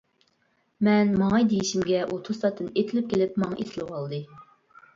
مەن ماڭاي دېيىشىمگە ئۇ توساتتىن ئېتىلىپ كېلىپ ماڭا ئېسىلىۋالدى.